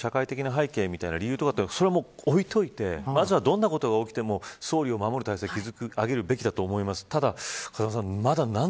容疑者の社会的背景みたいな理由とか置いといてまずは、どんなことが起きても総理を守る体制を築き上げるべきだと思います。